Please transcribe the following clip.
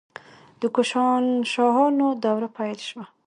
د کوشانشاهانو دوره پیل شوه